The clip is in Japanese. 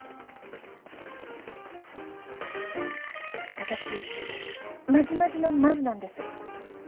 私マジマジのマジなんです。